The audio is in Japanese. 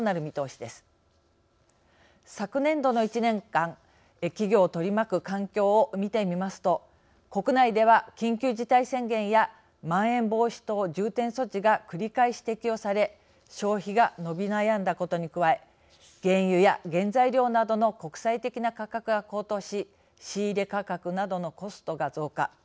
昨年度の１年間企業を取り巻く環境を見てみますと国内では緊急事態宣言やまん延防止等重点措置が繰り返し適用され消費が伸び悩んだことに加え原油や原材料などの国際的な価格が高騰し仕入れ価格などのコストが増加。